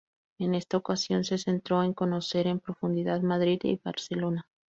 En esta ocasión, se centró en conocer en profundidad Madrid y Barcelona.